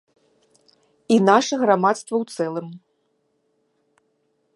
І наша грамадства ў цэлым.